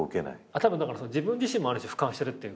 たぶん自分自身もある種ふかんしてるっていうか。